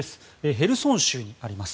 ヘルソン州にあります。